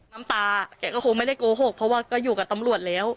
น้ำตาแกก็คงไม่ได้โกหกเพราะว่าก็อยู่กับตำรวจแล้ว